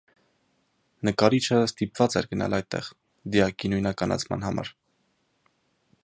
Նկարիչը ստիպված էր գնալ այդտեղ դիակի նույնականացման համար։